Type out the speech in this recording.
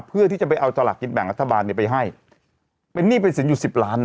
เพื่อที่จะไปเอาสลากกินแบ่งรัฐบาลเนี่ยไปให้เป็นหนี้เป็นสินอยู่สิบล้านนะ